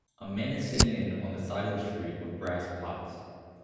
A man is sitting in on the side of the street with brass pots